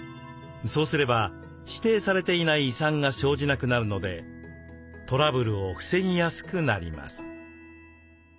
そうすれば「指定されていない遺産」が生じなくなるのでトラブルを防ぎやすくなります。